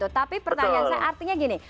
tapi pertanyaan saya artinya gini